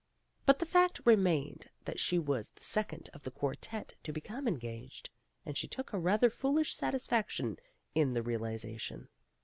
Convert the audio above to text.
But the fact remained that she was the second of the quartette to become engaged, and she took a rather foolish satisfaction in the realization.